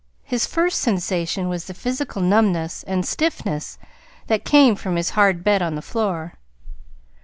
His first sensation was the physical numbness and stiffness that came from his hard bed on the floor.